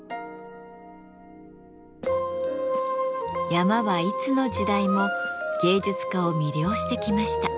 山はいつの時代も芸術家を魅了してきました。